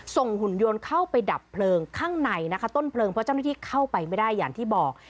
หุ่นยนต์เข้าไปดับเพลิงข้างในนะคะต้นเพลิงเพราะเจ้าหน้าที่เข้าไปไม่ได้อย่างที่บอก